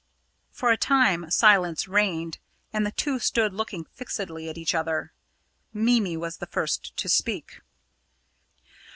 For a time silence reigned, and the two stood looking fixedly at each other. Mimi was the first to speak.